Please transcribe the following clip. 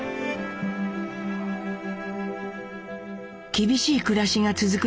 厳しい暮らしが続く